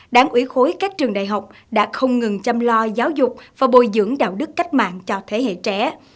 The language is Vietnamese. đảng ủy khối các trường đại học đã không ngừng chăm lo giáo dục và bồi dưỡng đạo đức cách mạng cho thế hệ trẻ